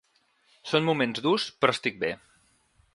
Són moments durs però estic bé.